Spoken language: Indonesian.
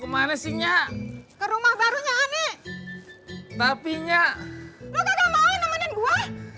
lu kagak mau nemenin gua